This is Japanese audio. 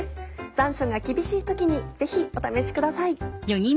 残暑が厳しい時にぜひお試しください。